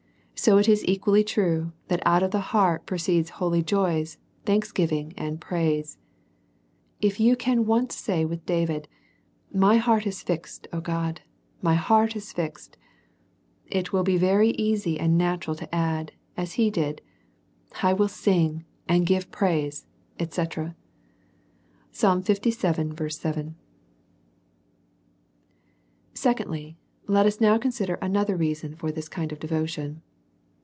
so it is equally true, that out of the heart proceed holy joys, thanksgiving, and praise. If you can once say with David, Mj/ heart is fixed ; O God, my heart is fixed, it will be very easy and natural to add, as he did, / icill sing, and give praise, Sgc. Secondly, Let us now consider another reason for this kind of devotion.